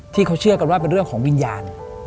ที่เขาเชื่อกันว่าเป็นเรื่องของวิญญาณ